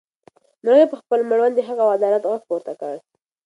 مرغۍ په خپل مړوند د حق او عدالت غږ پورته کړ.